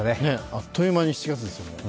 あっという間に７月ですよ。